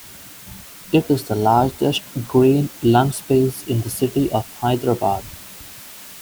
It is the largest green lung space in the city of Hyderabad.